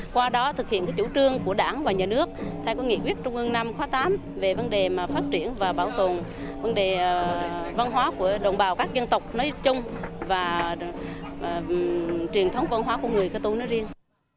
qua đó thực hiện chủ trương của đảng và nhà nước theo nghị quyết trung ương năm khóa tám về vấn đề phát triển và bảo tồn vấn đề văn hóa của đồng bào các dân tộc nói chung và truyền thống văn hóa của người cơ tu nói riêng